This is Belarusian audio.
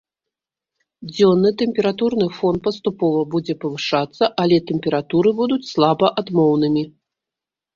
Дзённы тэмпературны фон паступова будзе павышацца, але тэмпературы будуць слаба адмоўнымі.